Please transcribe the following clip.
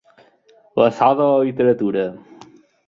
La sal de la literatura.